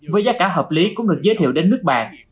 với giá cả hợp lý cũng được giới thiệu đến nước bạn